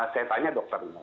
saya tanya dokternya